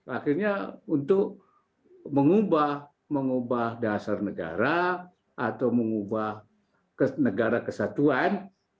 akhirnya untuk mengubah dasar negara atau mengubah negara kesatuan